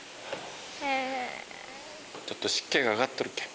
ちょっと湿気が上がっとるけん。